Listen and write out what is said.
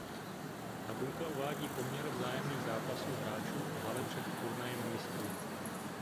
Tabulka uvádí poměr vzájemných zápasů hráčů v hale před turnajem mistrů.